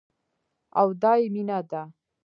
او دايې مينه ده.